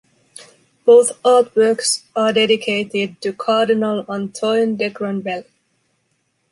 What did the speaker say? Both artworks are dedicated to Cardinal Antoine de Granvelle.